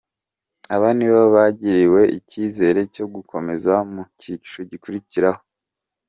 Aba nibo bagiriwe icyizere cyo gukomeza mu cyiciro gikurikiraho.